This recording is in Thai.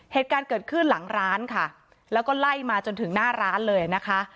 เหตุการณ์เกิดขึ้นหลังร้านค่ะแล้วก็ไล่มาจนถึงหน้าร้านเลยนะคะ